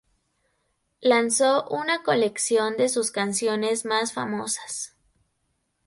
Lanzó una colección de sus canciones más famosas.